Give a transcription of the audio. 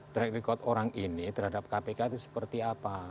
track record orang ini terhadap kpk itu seperti apa